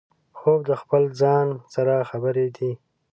خوب د خپل ځان سره خبرې دي